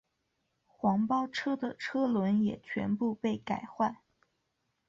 黄包车的车轮也全部被改换。